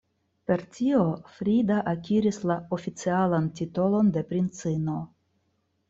Per tio Frida akiris la oficialan titolon de princino.